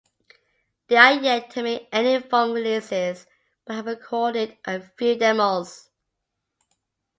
They are yet to make any formal releases but have recorded a few demos.